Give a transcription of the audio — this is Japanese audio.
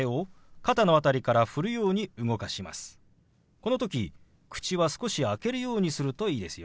この時口は少し開けるようにするといいですよ。